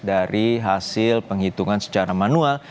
dari hasil penghitungan secara manual